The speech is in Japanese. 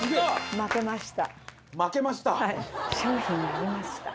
「負けました」？